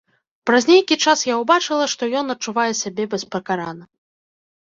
Праз нейкі час я ўбачыла, што ён адчувае сябе беспакарана.